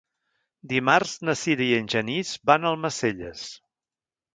Dimarts na Sira i en Genís van a Almacelles.